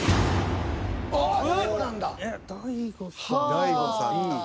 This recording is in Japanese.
大悟さんだ。